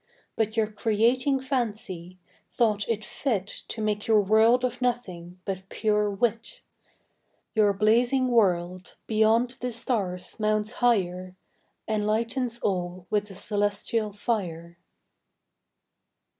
But your Creating Fancy, thought it fit To make your World of Nothing, but pure Wit. Your Blazing World, beyond the Stars mounts higher, Enlightens all with a Cœlestial Fier. William Newcastle.